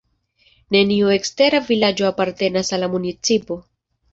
Neniu ekstera vilaĝo apartenas al la municipo.